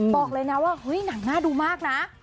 บอกเลยนะว่าเฮ้ยหนังน่าดูมากนะ